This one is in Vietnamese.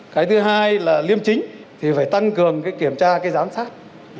cái thứ hai là liêm chính thì phải tăng cường cái kiểm tra cái giám sát